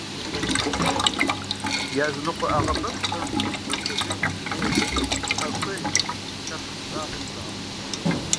Языныкъуэ ӏэгъэбэгухэм уэздыгъей, жыгей, пхъэхуей лъэхъц щӀагъым зыщагъэпщкӏу.